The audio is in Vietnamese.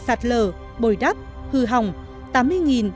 đất đổ sụp lở bồi đắp hư hồng tám mươi ba trăm sáu mươi hai m ba